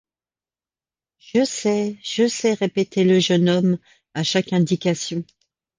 Je sais, je sais, répétait le jeune homme à chaque indication.